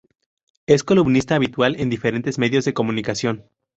Es columnista habitual en diferentes medios de comunicación.